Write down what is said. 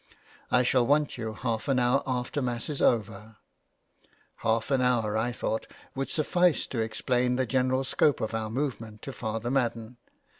" I shall want you half an hour after Mass is over." Half an hour, I thought, would suffice to explain the general scope of our movement to Father Madden.